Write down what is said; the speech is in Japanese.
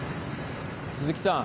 鈴木さん。